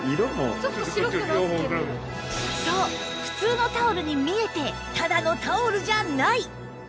こちらそう普通のタオルに見えてただのタオルじゃない！